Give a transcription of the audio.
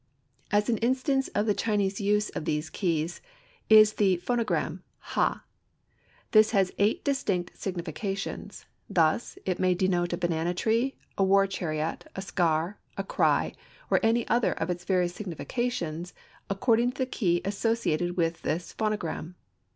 As an instance of the Chinese use of these keys, is the phonogram, ha. This has eight distinct significations. Thus, it may denote a banana tree, a war chariot, a scar, a cry, or any other of its various significations according to the key associated with this phonogram.